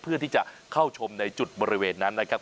เพื่อที่จะเข้าชมในจุดบริเวณนั้นนะครับ